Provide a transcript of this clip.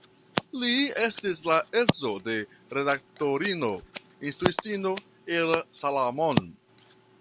Li estis la edzo de redaktorino, instruistino Ella Salamon.